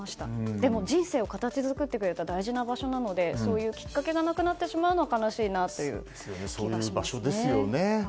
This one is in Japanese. でも、人生を形作ってくれた大切な場所なのでそういうきっかけがなくなってしまうのは寂しいですね。